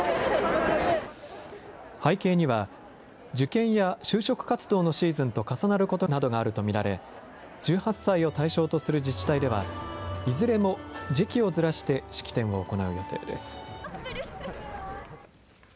背景には、受験や就職活動のシーズンと重なることなどがあると見られ、１８歳を対象とする自治体では、いずれも時期をずらして式典を行う予定です。